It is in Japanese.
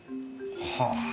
はあ